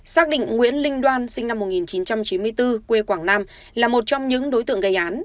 xác định nguyễn linh đoan sinh năm một nghìn chín trăm chín mươi bốn quê quảng nam là một trong những đối tượng gây án